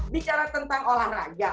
bicara tentang olahraga